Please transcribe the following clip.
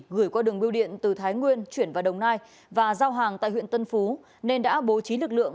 gửi qua đường biêu điện từ thái nguyên chuyển vào đồng nai và giao hàng tại huyện tân phú nên đã bố trí lực lượng